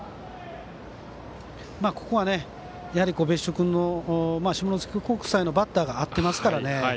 ここは、やはり別所君の下関国際のバッターが合ってますからね。